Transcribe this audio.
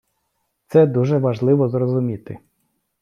Це дуже важливо зрозуміти.